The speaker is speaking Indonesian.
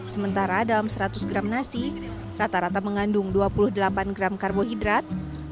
sementara dalam seratus gram nasi rata rata mengandung dua puluh delapan gram karbohidrat